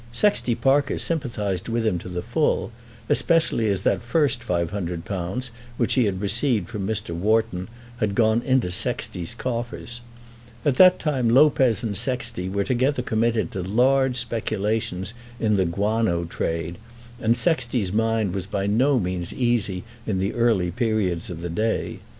Sexty Parker sympathised with him to the full, especially as that first £500, which he had received from Mr. Wharton, had gone into Sexty's coffers. At that time Lopez and Sexty were together committed to large speculations in the guano trade, and Sexty's mind was by no means easy in the early periods of the day.